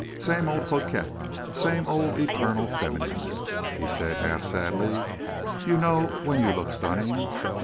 "Same old coquette—same old eternal feminine," he said, half sadly. "You know when you look stunning....